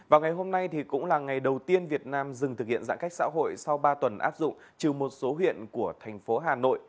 vào ngày hôm nay thì cũng là ngày đầu tiên việt nam dừng thực hiện giãn cách xã hội sau ba tuần áp dụng trừ một số huyện của thành phố hà nội hà giang và bắc ninh